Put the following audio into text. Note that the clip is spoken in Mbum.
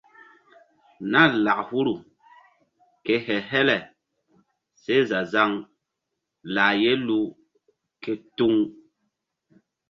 Nah lak huru ke he-hele seh za-zaŋ lah ye luu ke tuŋ.